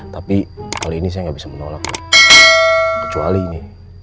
tapi kali ini saya nggak bisa menolak kecuali ini